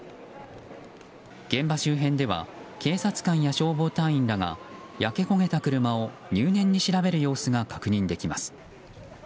現場周辺では警察官や消防隊員らが焼け焦げた車を入念に調べる様子が確認できます。